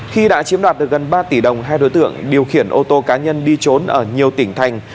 khi đã chiếm đoạt được gần ba tỷ đồng hai đối tượng điều khiển ô tô cá nhân đi trốn ở nhiều tỉnh thành